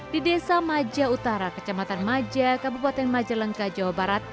di desa maja utara kecamatan maja kabupaten majalengka jawa barat